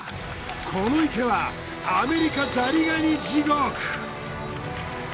この池はアメリカザリガニ地獄。